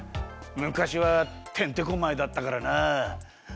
むかしはてんてこまいだったからな。